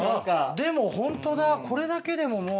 でもホントだこれだけでももう。